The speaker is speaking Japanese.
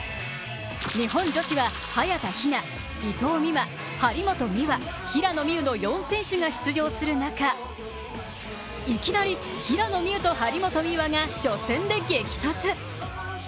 日本女子は早田ひな、伊藤美誠、張本美和、平野美宇の４選手が出場する中、いきなり平野美宇と張本美和が初戦で激突。